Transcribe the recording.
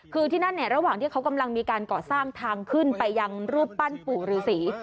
คือที่นั่นเนี่ยระหว่างที่เขากำลังมีการก่อสร้างทางขึ้นไปยังรูปปั้นปู่ฤษี